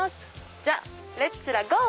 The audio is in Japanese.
じゃあレッツらゴー！